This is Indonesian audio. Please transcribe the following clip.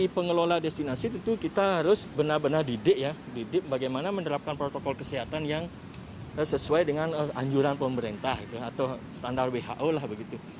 pengelola destinasi tentu kita harus benar benar didik ya didik bagaimana menerapkan protokol kesehatan yang sesuai dengan anjuran pemerintah atau standar who lah begitu